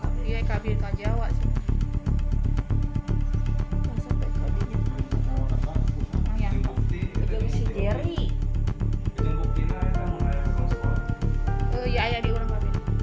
ngajaknya temboknya ngasih ya